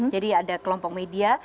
jadi ada kelompok media